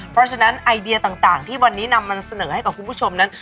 เพราะฉะนั้นไอเดียต่างที่วันนี้นำมาเสนอให้กับคุณผู้ชมนั้น